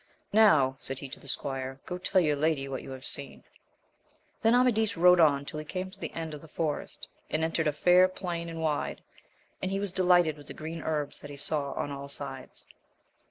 Now, said he to the squire, go tell your lady what you have seen. Then Amadis rode on till he came to the end of the forest, and entered a fair plain and wide, and he was delighted with the green herbs that he saw on all sides.